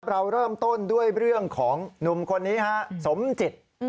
เราเริ่มต้นด้วยเรื่องของหนุ่มคนนี้ฮะสมจิต